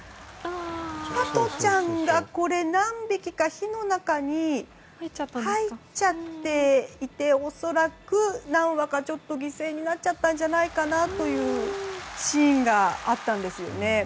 ハトちゃんが何匹か火の中に入っちゃっていて恐らく、何羽か犠牲になっちゃったんじゃないかというシーンがあったんですよね。